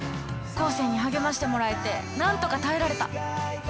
生に励ましてもらえてなんとか耐えられた。